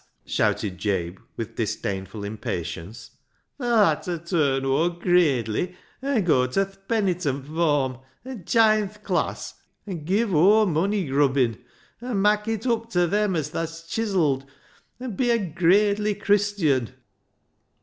shouted Jabe with disdainful impatience. " Tha'll ha' ta turn o'er gradely, an' goa ta th' penitent form, an' jine th' class, an' give o'er money grubbin', an' mak' it up ta them as tha's chizelled, an' be a gradely Christian."